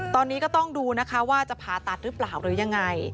ตอนนี้ก็ต้องดูนะคะว่าจะผ่าตัดหรือเปล่าหรือยังไง